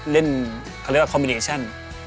เล่นเขาเรียกว่าคอมมิเนชั่น